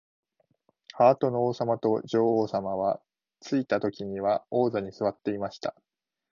ハートの王さまと女王さまは、ついたときには玉座にすわっていました。